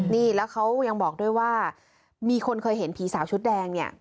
นี่แล้วเขายังบอกด้วยว่ามีคนเคยเห็นผีสาวชุดแดงเนี่ย